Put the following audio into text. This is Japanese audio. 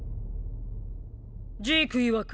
ジークいわく